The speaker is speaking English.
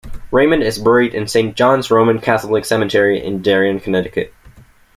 Raymond is buried in Saint John's Roman Catholic Cemetery in Darien, Connecticut.